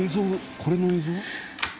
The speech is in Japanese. これの映像？